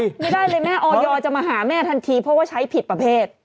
ไม่ได้เลยแม่ออยจะมาหาแม่ทันทีเพราะว่าใช้ผิดประเภท